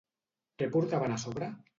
Què portaven a sobre?